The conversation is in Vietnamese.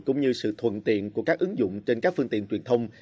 cũng như sự thuận tiện của các ứng dụng trên các phương tiện truyền thông